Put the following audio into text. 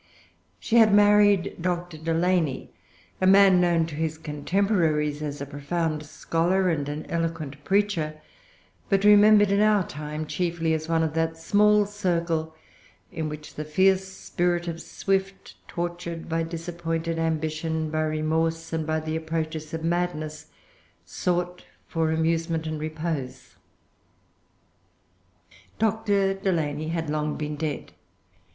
She had married Dr. Delany, a man known to his contemporaries as a profound scholar and an eloquent preacher, but remembered in our time chiefly as one of that small circle in which the fierce spirit of Swift, tortured by disappointed ambition, by remorse, and by the approaches of madness, sought for amusement and repose. Dr. Delany had long been dead.